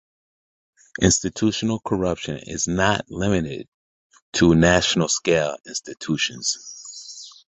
Institutional corruption is not limited to national scale institutions.